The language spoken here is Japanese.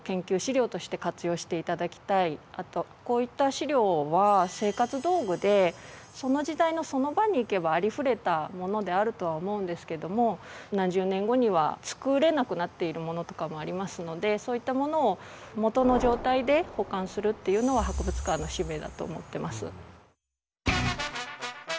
あとこういった資料は生活道具でその時代のその場に行けばありふれたものであるとは思うんですけども何十年後には作れなくなっているものとかもありますのでそういったものをもとの状態で保管するっていうのは博物館の使命だと思ってます。